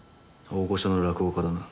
大御所の落語家だな。